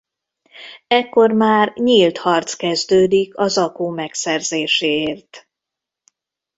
Ekkor már nyílt harc kezdődik a zakó megszerzéséért.